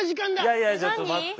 いやいやちょっと待って。